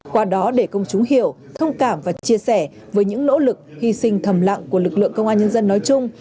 qua đó để công chúng hiểu thông cảm và chia sẻ với những nỗ lực hy sinh thầm lặng của lực lượng công an nhân dân nói chung